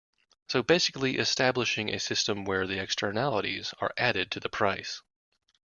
So basically establishing a system where the externalities are added to the price.